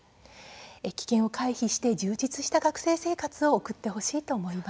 危険を回避して充実した学生生活を送ってほしいと思います。